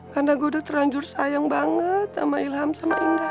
karena gue udah teranjur sayang banget sama ilham sama indah